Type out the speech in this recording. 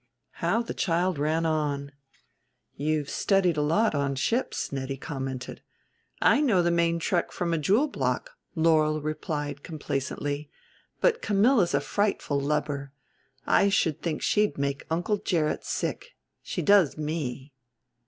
How the child ran on! "You've studied a lot on, ships," Nettie commented. "I know the main truck from a jewel block," Laurel replied complacently. "But Camilla's a frightful lubber. I should think she'd make Uncle Gerrit sick. She does me."